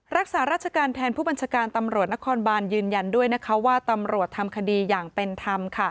รักษาราชการแทนผู้บัญชาการตำรวจนครบานยืนยันด้วยว่าตำรวจทำคดีอย่างเป็นธรรม